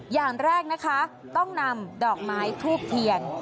อย่างแรกนะคะต้องนำดอกไม้ทูบเทียน